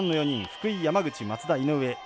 福井、山口、松田、井上。